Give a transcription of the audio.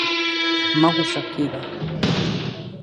مه غوسه کېږه!